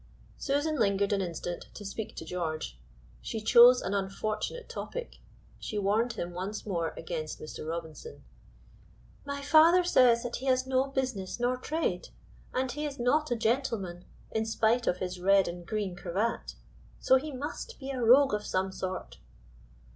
Susan lingered an instant to speak to George. She chose an unfortunate topic. She warned him once more against Mr. Robinson. "My father says that he has no business nor trade, and he is not a gentleman, in spite of his red and green cravat, so he must be a rogue of some sort."